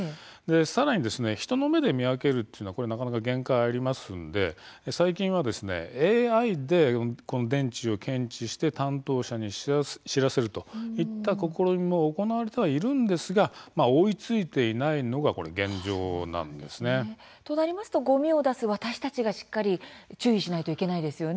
さらに人の目で見分けるというのも限界がありますので最近はＡＩで電池を検知して担当者に知らせるといった試みも行われてはいるんですが追いついていないのが現状です。となりますと、ごみを出します私たちもしっかり注意しないといけないですね。